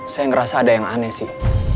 saya ngerasa ada yang aneh sih